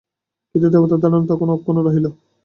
কিন্তু দেবতার ধারণা তখনও অক্ষুণ্ণ রহিল।